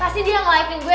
pasti dia ngelayakin gue